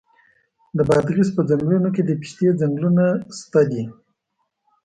د بادغیس په څنګلونو کې د پستې ځنګلونه شته دي.